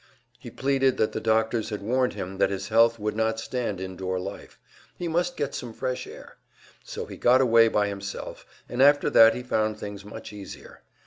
He pleaded that the doctors had warned him that his health would not stand indoor life; he must get some fresh air. So he got away by himself, and after that he found things much easier.